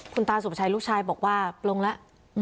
คุณตาสุภาชัยลูกชายบอกว่าปลงแล้ว